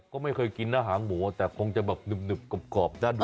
ก็ไม่เคยกินอาหารหมูอ่ะแต่คงจะแบบหนึบกรอบได้ดูนะ